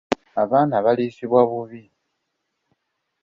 Abaana baliisibwa bubi.